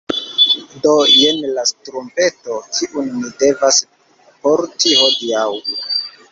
Do jen la ŝtrumpeto, kiun mi devas porti hodiaŭ.